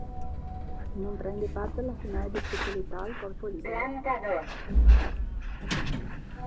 Non prende parte alla finale di specialità al corpo libero.